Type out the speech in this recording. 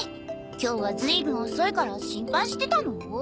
今日はずいぶん遅いから心配してたのよ。